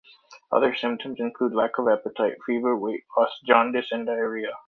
Other symptoms include lack of appetite, fever, weight loss, jaundice, and diarrhea.